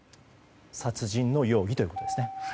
殺人の容疑ということですね。